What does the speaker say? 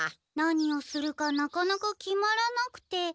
何をするかなかなか決まらなくて。